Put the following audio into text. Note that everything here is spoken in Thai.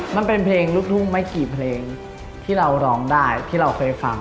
มันเป็นเพลงลูกทุ่งไม่กี่เพลงที่เราร้องได้ที่เราเคยฟัง